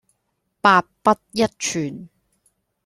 百不一存